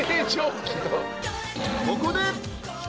［ここで］